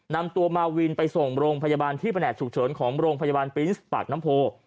นำตัวมาวินไปส่งโรงพยาบาลที่แผนกฉุกเฉินของโรงพยาบาลปรินส์ปากน้ำโพ